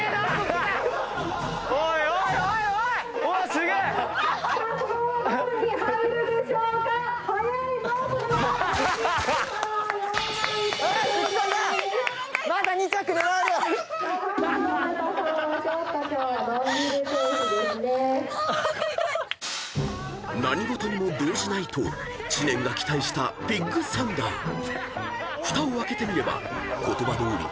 ［ふたを開けてみれば言葉どおり動じなかった］